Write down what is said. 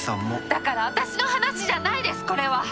だから私の話じゃないですこれは。